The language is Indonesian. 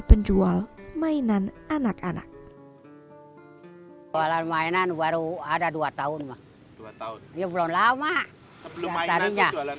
penjual mainan anak anak jualan mainan baru ada dua tahun dua tahun yang belum lama sebelum mainan jualan